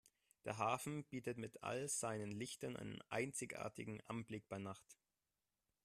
Der Hafen bietet mit all seinen Lichtern einen einzigartigen Anblick bei Nacht.